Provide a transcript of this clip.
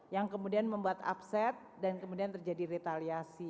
yang kemudian membuat upset dan kemudian terjadi retaliasi